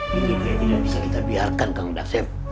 ini kayaknya tidak bisa kita biarkan kang daksim